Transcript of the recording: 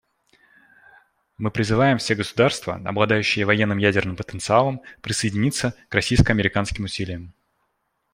Мы призываем все государства, обладающие военным ядерным потенциалом, присоединиться к российско-американским усилиям.